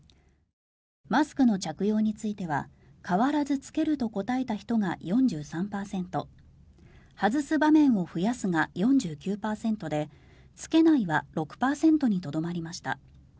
マスクの着用については変わらず着けると答えた人が４３％外す場面を増やすが４９％で着けないは６％にとどまりました。